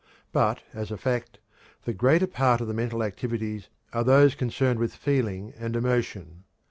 But, as a fact, the greater part of the mental activities are those concerned with feeling and emotion.